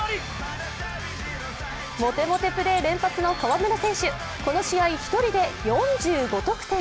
モテモテプレー連発の河村選手、この試合、１人で４５得点。